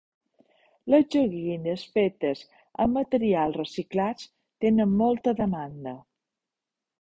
Les joguines fetes amb materials reciclats tenen molta demanda.